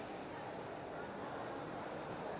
apakah pabrikan otomotif gias akan diadakan